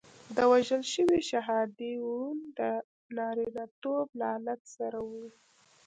د وژل شوي شهادي ورون د نارینتوب له آلت سره وو.